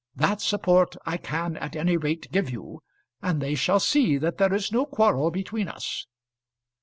That support I can at any rate give you, and they shall see that there is no quarrel between us."